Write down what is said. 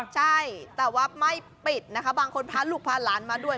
ใช่แต่ว่าไม่ปิดนะคะบางคนพาลูกพาหลานมาด้วย